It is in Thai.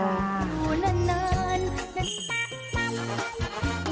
โฆฏแย่กะลา